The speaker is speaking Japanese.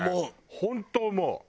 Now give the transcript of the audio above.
本当思う。